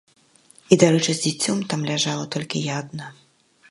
І дарэчы, з дзіцем там ляжала толькі я адна.